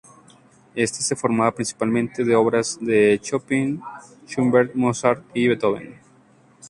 Este se formaba principalmente de obras de Chopin, Schubert, Mozart y Beethoven.